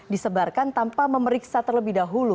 disebarkan tanpa memeriksa terlebih dahulu